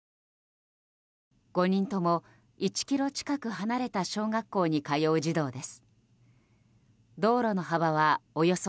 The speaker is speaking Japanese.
５人とも１ｋｍ近く離れた小学校に通う児童です。